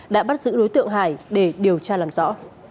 đã bắt giữ đối tượng hải để điều tra làm rõ